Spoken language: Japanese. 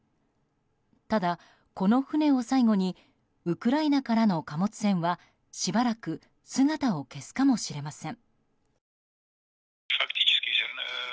ただ、この船を最後にウクライナからの貨物船はしばらく姿を消すかもしれません。